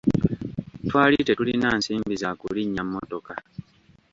Twali tetulina nsimbi za kulinnya mmotoka.